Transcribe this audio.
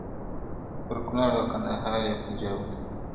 پر کنړ او کندهار یې پنجاب ګرځي؛